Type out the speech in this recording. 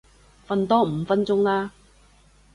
瞓多五分鐘啦